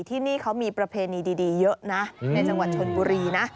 ที่นี่เขามีประเพณีดีเยอะนะในจังหวัดชนบุรีนะ